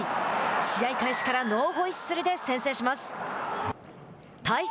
試合開始からノーホイッスルで先制します。